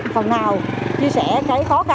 phần nào chia sẻ cái khó khăn